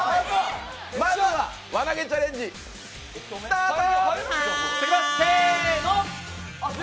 まずは輪投げチャレンジスタート！